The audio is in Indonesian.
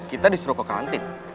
kita disuruh ke kantin